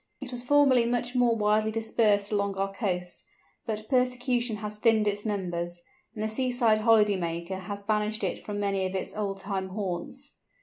It was formerly much more widely dispersed along our coasts, but persecution has thinned its numbers, and the seaside holiday maker has banished it from many of its old time haunts.